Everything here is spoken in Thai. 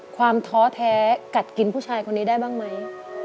ท้อแท้กัดกินผู้ชายคนนี้ได้บ้างไหม